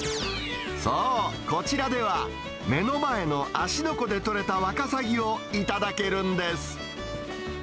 そう、こちらでは目の前の芦ノ湖で取れたワカサギを頂けるんです。